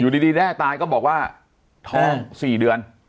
ดีแด้ตายก็บอกว่าท้อง๔เดือน